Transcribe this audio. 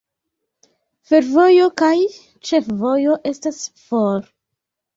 Fervojo kaj ĉefvojo estas for.